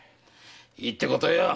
いいってことよ。